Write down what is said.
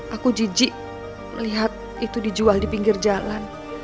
aku jijik melihat itu dijual di pinggir jalan